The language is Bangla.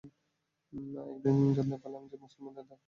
একদিন তিনি জানতে পারলেন যে, মুসলমানরা মক্কা আক্রমণ করতে আসছে।